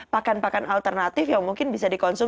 pakan pakan alternatif ya mungkin bisa diperkatakan